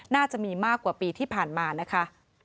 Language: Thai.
น่าจะมีมากกว่าปีที่ผ่านมานะคะ